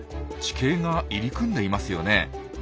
地形が入り組んでいますよね。